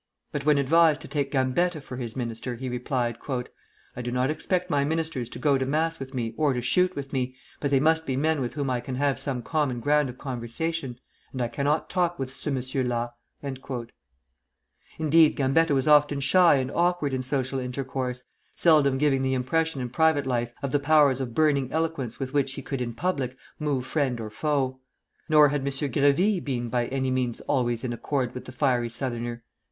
But when advised to take Gambetta for his minister, he replied: "I do not expect my ministers to go to mass with me or to shoot with me; but they must be men with whom I can have some common ground of conversation, and I cannot talk with ce monsieur là." Indeed, Gambetta was often shy and awkward in social intercourse, seldom giving the impression in private life of the powers of burning eloquence with which he could in public move friend or foe. Nor had M. Grévy been by any means always in accord with the fiery Southerner.